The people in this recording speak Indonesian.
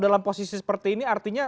dalam posisi seperti ini artinya